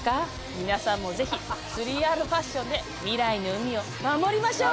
皆さんも是非３Ｒファッションで未来の海を守りましょう！